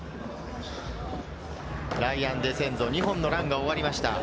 ライアン・デセンゾ、２本のランが終わりました。